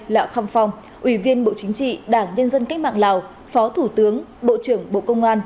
lạ khăm phong ủy viên bộ chính trị đảng nhân dân cách mạng lào phó thủ tướng bộ trưởng bộ công an